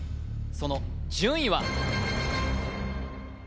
その順位は？